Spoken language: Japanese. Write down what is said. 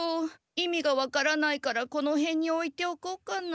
意味がわからないからこのへんにおいておこうかな。